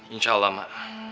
insya allah be